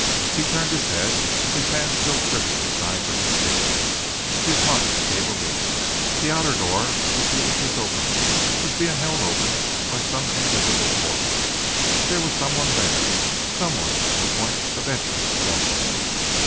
He turned his head, his hands still gripping the sides of his chair. His heart gave a leap. The outer door was a few inches open, was being held open by some invisible force. There was some one there, some one on the point of entering stealthily.